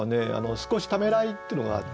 「少しためらひ」っていうのがあって